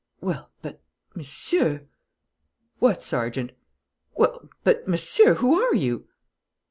"Well, but, Monsieur " "What, Sergeant?" "Well, but, Monsieur, who are you?"